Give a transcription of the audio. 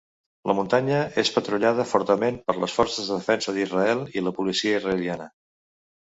La muntanya és patrullada fortament per les Forces de Defensa d'Israel i la Policia israeliana.